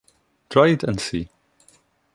Try it and see.